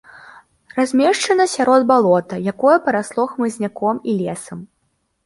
Размешчана сярод балота, якое парасло хмызняком і лесам.